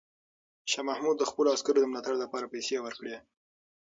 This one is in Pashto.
شاه محمود د خپلو عسکرو د ملاتړ لپاره پیسې ورکړې.